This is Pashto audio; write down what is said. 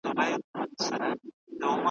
تقدیر پاس په تدبیرونو پوري خاندي `